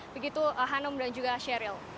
begitu hanum dan juga sheryl